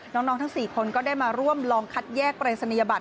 ทั้ง๔คนก็ได้มาร่วมลองคัดแยกปรายศนียบัตร